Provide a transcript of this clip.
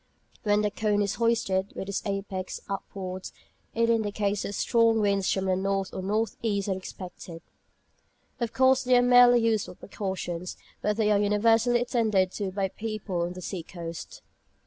When the cone is hoisted with its apex upwards, it indicates that strong winds from the north or north east are expected. Of course they are merely useful precautions; but they are universally attended to by people on the sea coast.